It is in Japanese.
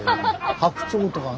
白鳥とかね。